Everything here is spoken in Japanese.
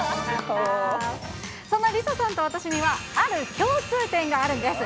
そんなＬｉＳＡさんと私には、ある共通点があるんです。